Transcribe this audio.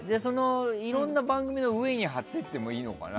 いろんな番組の上に貼っていってもいいのかな。